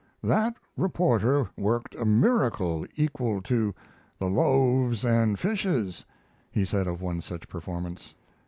"That reporter worked a miracle equal to the loaves and fishes," he said of one such performance.